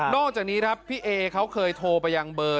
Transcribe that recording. นอกจากนี้พี่เอเค้าเคยโทรไปยังเบอร์